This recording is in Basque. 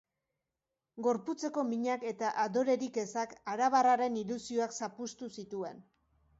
Gorputzeko minak eta adorerik ezak arabarraren ilusioak zapuztu zituen.